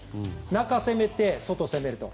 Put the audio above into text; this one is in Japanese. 中を攻めて外攻めると。